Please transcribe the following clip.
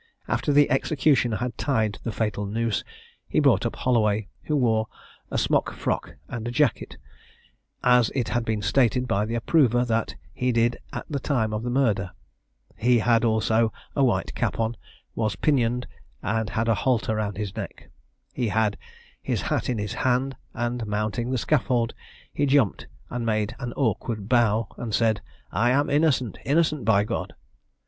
After the executioner had tied the fatal noose, he brought up Holloway, who wore a smock frock and jacket, as it had been stated by the approver that he did at the time of the murder: he had also a white cap on, was pinioned, and had a halter round his neck: he had his hat in his hand; and mounting the scaffold, he jumped and made an awkward bow, and said, "I am innocent, innocent, by God!"